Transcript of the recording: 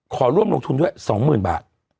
ขอร่วมลงทุนด้วย๒๐๐๐บาท